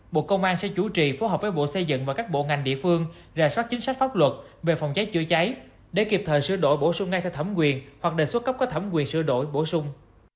bộ công an sẽ chủ trì phối hợp với bộ xây dựng và các bộ ngành địa phương rà soát chính sách pháp luật về phòng cháy chữa cháy để kịp thời sửa đổi bổ sung ngay theo thẩm quyền hoặc đề xuất cấp có thẩm quyền sửa đổi bổ sung